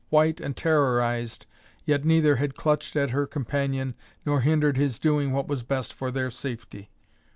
White and terrorized, yet neither had clutched at her companion, nor hindered his doing what was best for their safety.